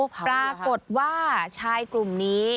ปรากฏว่าชายกลุ่มนี้